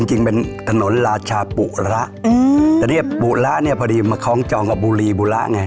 จริงเป็นถนนราชาปุระจะเรียกปุระเนี่ยพอดีมาคล้องจองกับบุรีปุระไง